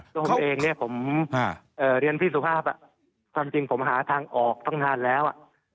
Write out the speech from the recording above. ตัวผมเองเนี่ยผมเรียนพี่สุภาพความจริงผมหาทางออกตั้งนานแล้ว